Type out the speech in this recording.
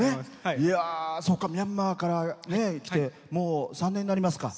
ミャンマーから来てもう３年になりますか。